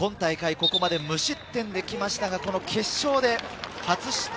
ここまで無失点で来ましたが、決勝で初失点。